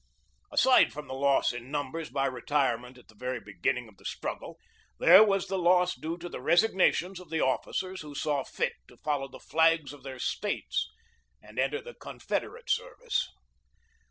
Aside from the loss in numbers by retirement at the very beginning of the struggle, there was the loss due to the resignations of the officers who saw fit to follow the flags of their States and enter the Con federate service.